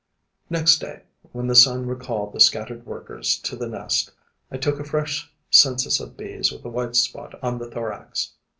Next day, when the sun recalled the scattered workers to the nest, I took a fresh census of Bees with a white spot on the thorax.